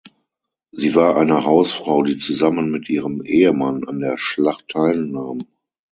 Sie war eine Hausfrau, die zusammen mit ihrem Ehemann an der Schlacht teilnahm.